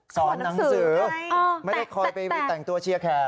หนังสือไม่ได้คอยไปแต่งตัวเชียร์แขก